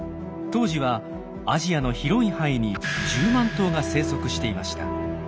当時はアジアの広い範囲に１０万頭が生息していました。